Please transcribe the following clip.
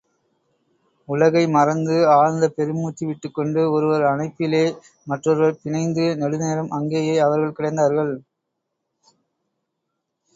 உலகை மறந்து, ஆழ்ந்த பெருமூச்சு விட்டுக் கொண்டு ஒருவர் அணைப்பிலே மற்றொருவர் பிணைந்து நெடுநேரம் அங்கேயே அவர்கள் கிடந்தார்கள்!